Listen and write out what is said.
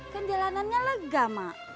kan jalanannya lega mak